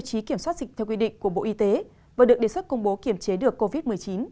truyền xét dịch theo quy định của bộ y tế và được đề xuất công bố kiểm chế được covid một mươi chín